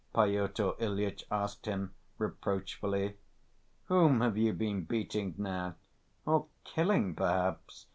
Pyotr Ilyitch asked him reproachfully. "Whom have you been beating now ... or killing, perhaps?"